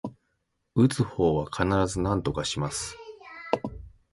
打つ方は必ずなんとかします